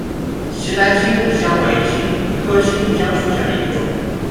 奇莱青木香为菊科青木香属下的一个种。